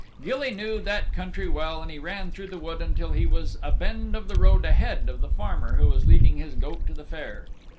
Gilly knew that country well and he ran through the wood until he was a bend of the road ahead of the farmer who was leading his goat to the fair.